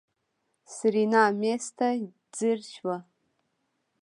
سېرېنا مېز ته ځير شوه.